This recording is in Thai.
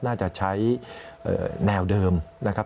น่าจะใช้แนวเดิมนะครับ